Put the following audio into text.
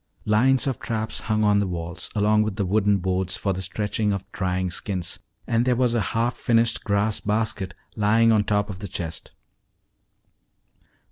Lines of traps hung on the walls, along with the wooden boards for the stretching of drying skins, and there was a half finished grass basket lying on top of the chest.